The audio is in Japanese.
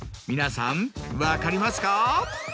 皆さん分かりますか？